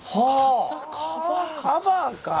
カバーか！